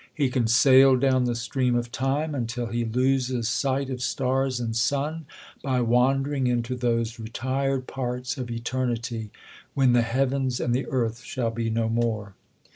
He can sail down the stream of time until he loses " sight of stars and sun, by wandering into those retired parts of eter nity, when^the heavens and the earth shall be no more.'